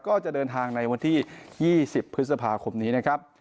ก็จะเดินทางในวันที่๒๐พฤษภาคมนี้นะครับ